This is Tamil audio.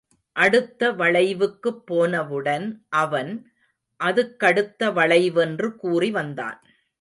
அடுத்த வளைவுக்குப் போனவுடன், அவன் அதற்கடுத்த வளைவென்று கூறி வந்தான்.